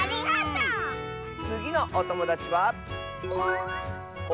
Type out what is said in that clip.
つぎのおともだちは。